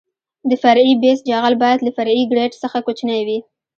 د فرعي بیس جغل باید له فرعي ګریډ څخه کوچنی وي